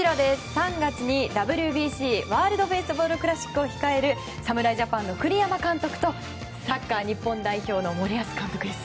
３月にＷＢＣ・ワールド・ベースボール・クラシックを控える侍ジャパンの栗山監督とサッカー日本代表の森保監督です。